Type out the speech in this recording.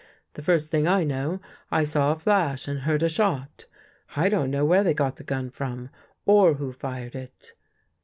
The first thing I knew, I saw a flash and heard a shot. I don't know where they got the gun from or who fired it."